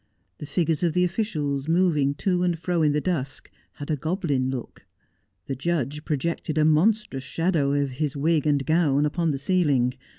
The figures of the officials moving to and fro in the dusk had a goblin look. The judge projected a monstrous shadow of his wig and gown upon the ceiling.